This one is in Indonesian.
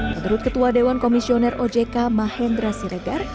menurut ketua dewan komisioner ojk mahendra siregar